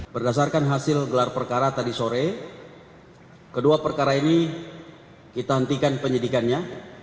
berdasarkan hasil gelar perkara tadi sore kedua perkara ini kita hentikan penyidikannya